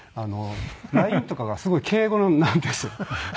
ＬＩＮＥとかがすごい敬語なんです。